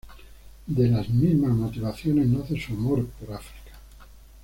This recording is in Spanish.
De las mismas motivaciones nace su amor por el África.